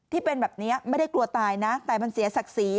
ที่เป็นแบบนี้ไม่ได้กลัวตายนะแต่มันเสียศักดิ์ศรี